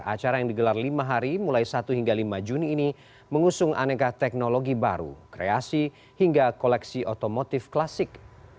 acara yang digelar lima hari mulai satu hingga lima juni ini mengusung aneka teknologi baru kreasi hingga koleksi otomotif klasik